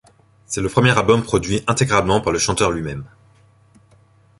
C'est le premier album produit intégralement par le chanteur lui-même.